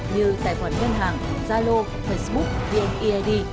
như tài khoản ngân hàng zalo facebook vneid